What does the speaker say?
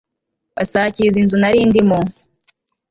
basakiza inzu nari ndimo